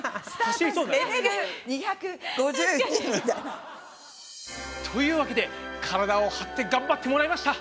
レベル２５２。というわけで体を張ってがんばってもらいました！